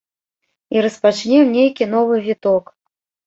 І распачнем нейкі новы віток.